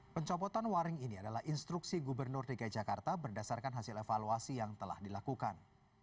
pencopotan waring ini adalah instruksi gubernur dki jakarta berdasarkan hasil evaluasi yang telah dilakukan